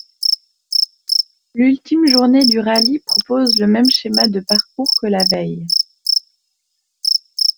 L'ultime journée du rallye propose le même schéma de parcours que la veille.